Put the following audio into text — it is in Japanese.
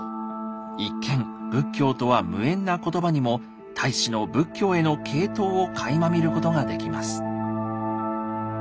一見仏教とは無縁なことばにも太子の仏教への傾倒をかいま見ることができます。